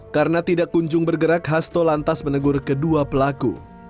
karena tidak kunjung bergerak hasto lantas menegur kedua pelaku